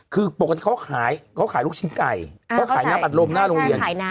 คือปกติเขาขายลูกชิ้นไก่เขาขายน้ำอัดลมหน้าโรงเรียน